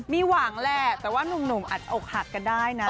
มีหวังแหละแต่ว่านุ่มอัดอกหักกันได้นะ